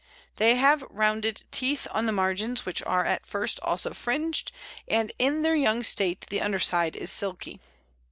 They have rounded teeth on the margins, which are at first also fringed, and in their young state the underside is silky.